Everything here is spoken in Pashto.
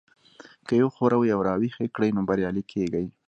که يې وښوروئ او را ويښ يې کړئ نو بريالي کېږئ.